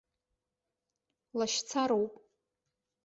Лашьцароуп.